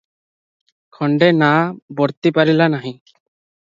ଖଣ୍ଡେ ନାଆ ବର୍ତ୍ତି ପାରିଲା ନାହିଁ ।